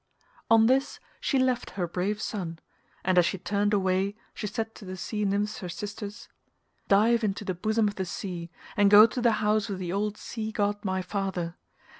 On this she left her brave son, and as she turned away she said to the sea nymphs her sisters, "Dive into the bosom of the sea and go to the house of the old sea god my father.